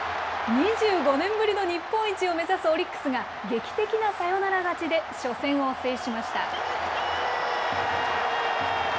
２５年ぶりの日本一を目指すオリックスが劇的なサヨナラ勝ちで初戦を制しました。